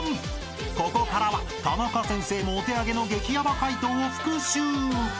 ［ここからはタナカ先生もお手上げの激ヤバ解答を復習］